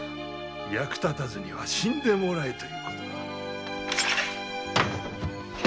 役立たずには死んでもらえということだ。